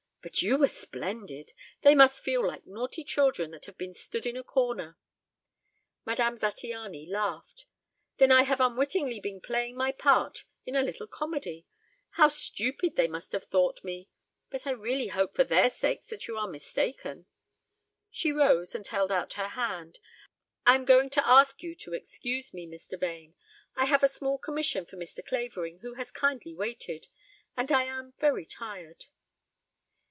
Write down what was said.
But you were splendid. They must feel like naughty children that have been stood in a corner." Madame Zattiany laughed. "Then I have unwittingly been playing my part in a little comedy. How stupid they must have thought me! But I really hope for their sakes that you are mistaken." She rose and held out her hand. "I am going to ask you to excuse me, Mr. Vane. I have a small commission for Mr. Clavering, who has kindly waited. And I am very tired."